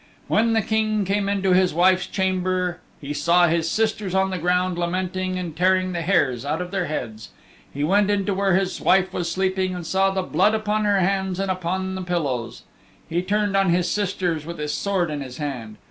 When the King came into his wife's chamber he saw his sisters on the ground lamenting and tearing the hairs out of their heads. He went to where his wife was sleeping and saw blood upon her hands and upon the pillows. He turned on his sisters with his sword in his hand.